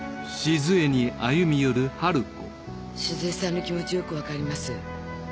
志寿江さんの気持ちよくわかります。